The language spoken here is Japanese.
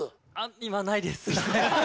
今ないです。